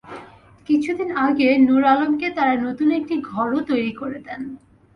কিছুদিন আগে নূর আলমকে তাঁরা নতুন একটি ঘরও তৈরি করে দেন।